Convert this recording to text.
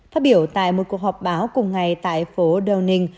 phát biểu tại một cuộc họp báo cùng ngày tại phố downing